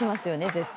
絶対。